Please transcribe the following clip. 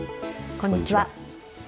こんにちは。